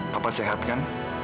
papa sehat kan